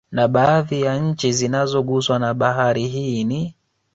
Na baadhi ya nchi zinazoguswa na Bahari hii ni